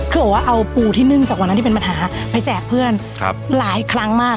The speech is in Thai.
คือบอกว่าเอาปูที่นึ่งจากวันนั้นที่เป็นปัญหาไปแจกเพื่อนหลายครั้งมาก